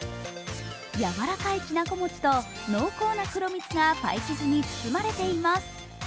軟らかいきなこ餅と濃厚な黒蜜がパイ生地に包まれています。